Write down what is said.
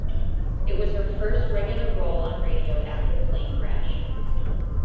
It was her first regular role on radio after the plane crash.